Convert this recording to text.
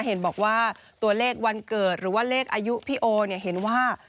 เห็นบอกว่าตัวเลขวันเกิดหรือว่าเลขอายุพี่โอเนี่ยเห็นว่า